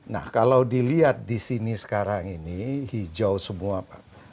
nah kalau dilihat di sini sekarang ini hijau semua pak